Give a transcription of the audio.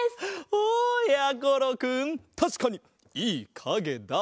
おやころくんたしかにいいかげだ。